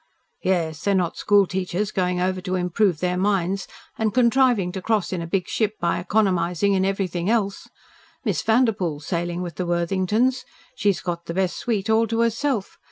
"Yes. They're not school teachers going over to improve their minds and contriving to cross in a big ship by economising in everything else. Miss Vanderpoel's sailing with the Worthingtons. She's got the best suite all to herself.